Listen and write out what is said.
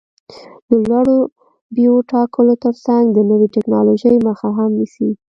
د لوړو بیو ټاکلو ترڅنګ د نوې ټکنالوژۍ مخه هم نیسي.